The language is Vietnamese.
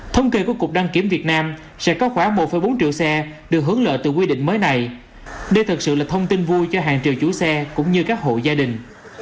thông kê của cục đăng kiểm việt nam sẽ có khoảng một bốn triệu xe được hướng lợi từ quy định mới này đây thật sự là thông tin vui cho hàng triệu chủ xe cũng như các hộ gia đình